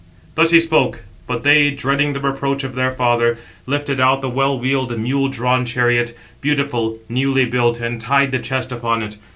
Thus he spoke; but they, dreading the reproach of their father, lifted out the well wheeled, mule drawn chariot, beautiful, newly built, and tied the chest 786 upon it.